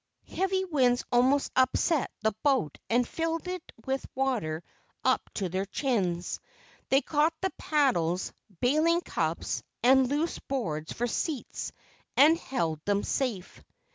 Heavy winds almost upset the boat and filled it with water up to their chins. They caught the paddles, bailing cups, and loose boards for seats, and held them safe.